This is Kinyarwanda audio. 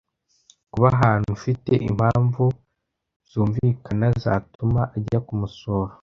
kuba ahantu ufite impamvu zumvikana zatuma ajya kumusura